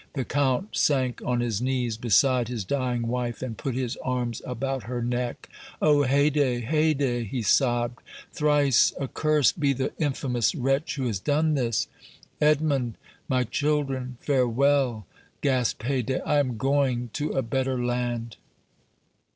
The Count sank on his knees beside his dying wife and put his arms about her neck. "Oh! Haydée, Haydée," he sobbed; "thrice accursed be the infamous wretch who has done this!" "Edmond, my children, farewell," gasped Haydée; "I am going to a better land!"